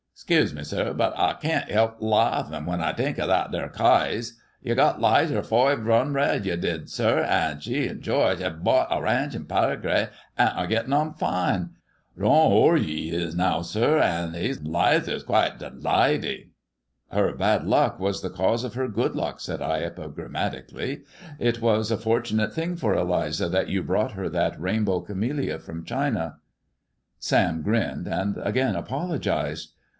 " 'Scuse me, sir, but I ken't 'elp laufin* when I thenk of thet 'ere caise. Y' got 'Lizer foive 'un'red, y' did, sir. Bhe an' George 'ave bowght a ranch in Paraguay an' are gitting on fine. Don Jorge 'e is now, sir, an' 'Lizer's quite t' laidy." " Her bad luck was the cause of her good luck," said I epigrammatically ;" it was a fortunate thing for Eliza that you brought her that rainbow camellia from China." Sam grinned, and again apologized.